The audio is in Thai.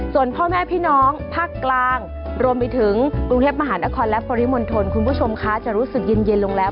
ส่วนพ่อแม่พี่น้องภาคกลางรวมไปถึงกรุงเทพมหานครและปริมณฑลคุณผู้ชมคะจะรู้สึกเย็นลงแล้ว